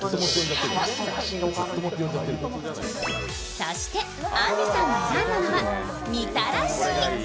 そしてあんりさんが選んだのはみたらし。